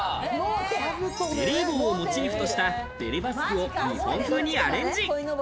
ベレー帽モチーフとしたベレ・バスクを日本風にアレンジ。